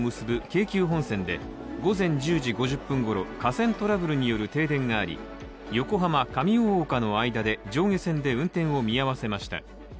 京急本線で午前１０時５０分ごろ、架線トラブルによる停電があり横浜−上大岡の間で上下線で運転を見合わせました。